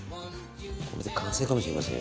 これで完成かもしれませんよ